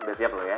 udah siap lo ya